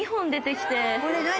これ何？